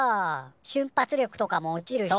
しゅん発力とかも落ちるし。